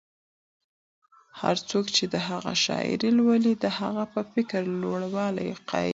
هر څوک چې د هغه شاعري لولي، د هغه په فکري لوړوالي قایلېږي.